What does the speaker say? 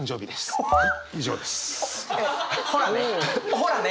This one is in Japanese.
ほらね。